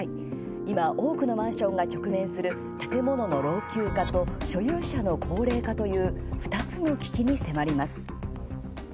今、多くのマンションが直面する建物の老朽化と所有者の高齢化という２つの危機に迫ります。